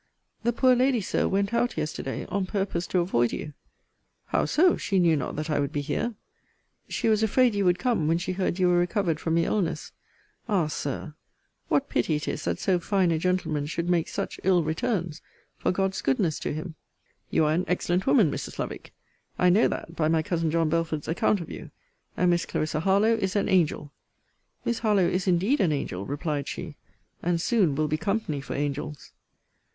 The poor lady, Sir, went out yesterday, on purpose to avoid you. How so? she knew not that I would be here. She was afraid you would come, when she heard you were recovered from your illness. Ah! Sir, what pity it is that so fine a gentleman should make such ill returns for God's goodness to him! You are an excellent woman, Mrs. Lovick: I know that, by my cousin John Belford's account of you: and Miss Clarissa Harlowe is an angel. Miss Harlowe is indeed an angel, replied she; and soon will be company for angels.